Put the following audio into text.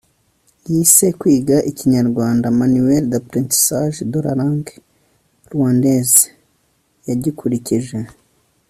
yise kwiga ikinyarwanda, manuel d'apprentissage de la langue rwandaise. yagikurikije